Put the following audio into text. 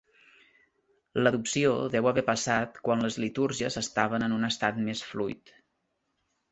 L'adopció deu haver passat quan les litúrgies estaven en un estat més fluid.